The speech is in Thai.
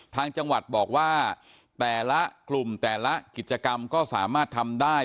ทางจังหวัดบอกว่าแต่ละกลุ่มแต่ละกิจกรรมก็สามารถทำได้